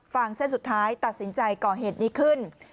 งเส้นสุดท้ายตัดสินใจก่อเหตุนี้ขึ้น